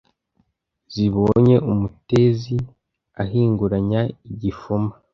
Zibonye umutezi ahinguranya igifuma